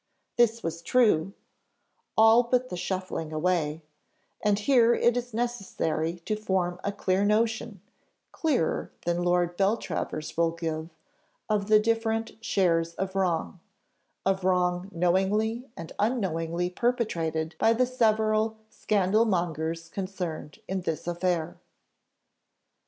This was true, all but the shuffling away; and here it is necessary to form a clear notion, clearer than Lord Beltravers will give, of the different shares of wrong; of wrong knowingly and unknowingly perpetrated by the several scandal mongers concerned in this affair.